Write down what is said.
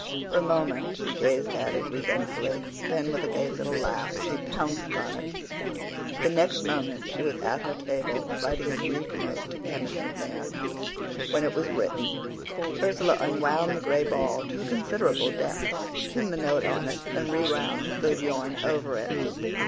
For a moment she gazed at it resentfully then, with a gay little laugh, she pounced on it. The next moment she was at her table, writing a brief note to Kenneth MacNair. When it was written, Ursula unwound the gray ball to a considerable depth, pinned the note on it, and rewound the yarn over it.